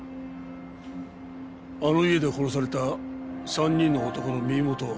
あの家で殺された３人の男の身元は？